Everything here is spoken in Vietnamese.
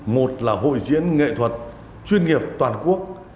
một là hội diễn nghệ thuật chuyên nghiệp toàn quốc